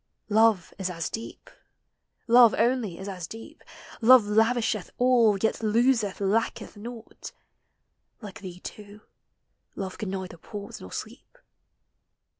Love is as deep, love only is as deep: Love lavisheth all, yet loseth, lacketh naught; Like thee, too, love can neither pause nor sleep.